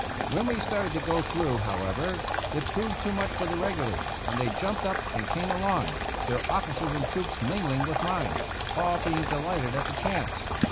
When we started to go through, however, it proved too much for the regulars, and they jumped up and came along, their ofHcers and troops mingling with mine, all being delighted at the chance.